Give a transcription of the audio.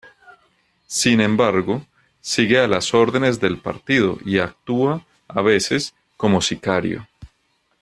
Sin embargo, sigue a las órdenes del partido, y actúa, a veces, como sicario.